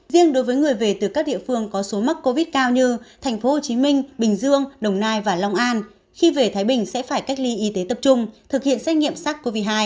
riêng đối với người về từ các địa phương có số mắc covid cao như tp hcm bình dương đồng nai và long an khi về thái bình sẽ phải cách ly y tế tập trung thực hiện xét nghiệm sars cov hai